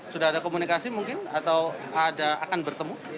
sudah ada komunikasi mungkin atau ada akan bertemu